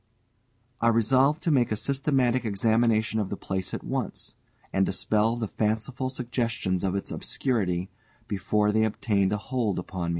I resolved to make a systematic examination of the place at once, and dispel the fanciful suggestions of its obscurity before they obtained a hold upon me.